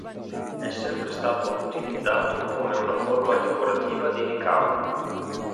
È sempre stato utilizzato come una forma decorativa di ricamo.